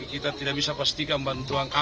tapi kita tidak bisa pastikan bantuan apa